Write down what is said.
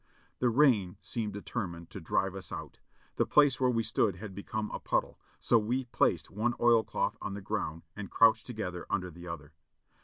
The rain seemed determined to drive us out. The place where we stood had become a puddle, so we placed one oilcloth on the ground and crouched together under the other.